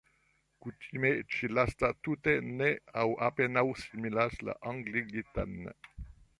Kutime ĉi-lasta tute ne aŭ apenaŭ similas la angligitan.